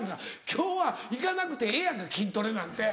今日は行かなくてええやんか筋トレなんて。